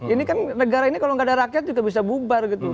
ini kan negara ini kalau nggak ada rakyat juga bisa bubar gitu